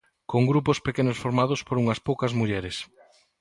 Con grupos pequenos, formados por unhas poucas mulleres.